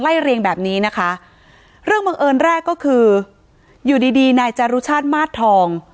เรียงแบบนี้นะคะเรื่องบังเอิญแรกก็คืออยู่ดีดีนายจารุชาติมาสทอง